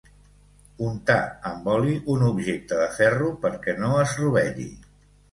Untar amb oli un objecte de ferro perquè no es rovelli.